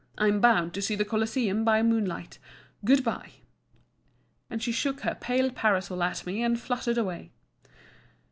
I'm bound to see the Colosseum, by moonlight. Good bye;" and she shook her pale parasol at me, and fluttered away.